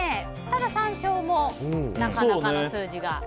ただ、山椒もなかなかの数字が。